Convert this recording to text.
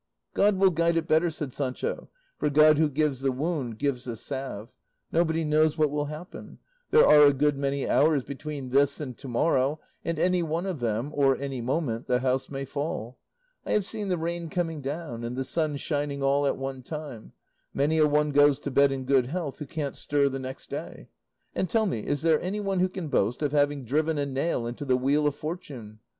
"God will guide it better," said Sancho, "for God who gives the wound gives the salve; nobody knows what will happen; there are a good many hours between this and to morrow, and any one of them, or any moment, the house may fall; I have seen the rain coming down and the sun shining all at one time; many a one goes to bed in good health who can't stir the next day. And tell me, is there anyone who can boast of having driven a nail into the wheel of fortune?